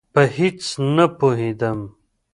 په هېڅ نه پوهېدم.